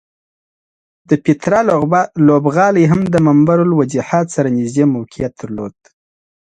د پیترا لوبغالی هم د ممر الوجحات سره نږدې موقعیت درلود.